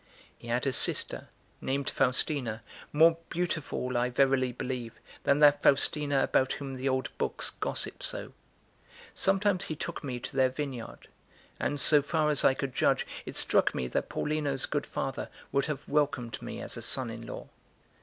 He had a sister, named Faustina, more beautiful, I verily believe, than that Faustina about whom the old books gossip so. Sometimes he took me to their vineyard, and, so far as I could judge, it struck me that Paulino's good father would have welcomed me as a son in law.